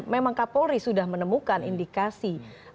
memang kapolri sudah menemukan indikasi